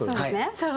そう。